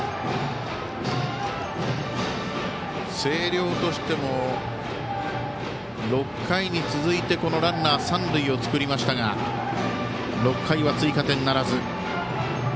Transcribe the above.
星稜としても６回に続いてのランナー、三塁を作りましたが６回は追加点ならず。